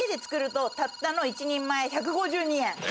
たったの１人前１５２円。え！